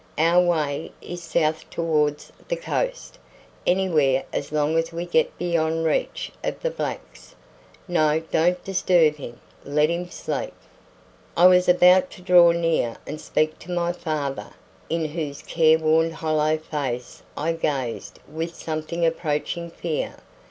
Our way is south towards the coast anywhere as long as we get beyond reach of the blacks. No, don't disturb him, let him sleep." I was about to draw near and speak to my father, in whose careworn hollow face I gazed with something approaching fear.